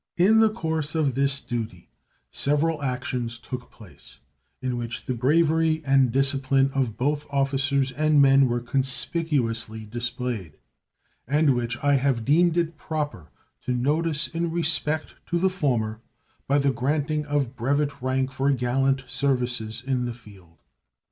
In the course of this duty several actions took place, in which the bravery and discipline of both officers and men were conspicuously displayed, and which I have deemed it proper to notice in respect to the former by the granting of brevet rank for gallant services in the field.